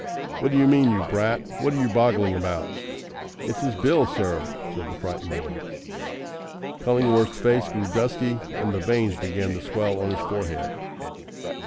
"What d'you mean, you brat? What are you boggling about?" "It's his bill, sir," said the frightened boy. Cullingworth's face grew dusky, and the veins began to swell on his forehead.